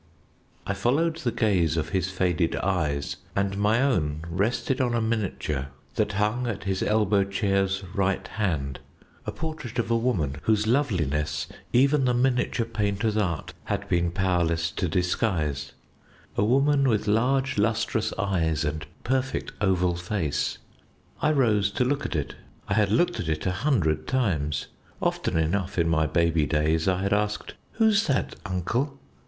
I followed the gaze of his faded eyes, and my own rested on a miniature that hung at his elbow chair's right hand, a portrait of a woman, whose loveliness even the miniature painter's art had been powerless to disguise a woman with large lustrous eyes and perfect oval face. I rose to look at it. I had looked at it a hundred times. Often enough in my baby days I had asked, "Who's that, uncle?"